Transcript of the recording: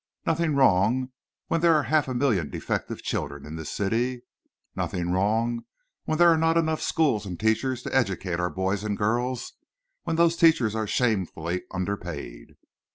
Nothing wrong when there are half a million defective children in this city? Nothing wrong when there are not enough schools and teachers to educate our boys and girls, when those teachers are shamefully underpaid?